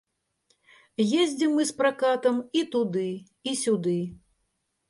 Ездзім мы з пракатам і туды, і сюды.